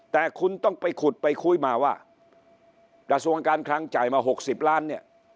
แต่คุณต้องไปขุดไปคุยมาว่ากระทรวงการคลังจ่ายมา๖๐ล้านเนี่ย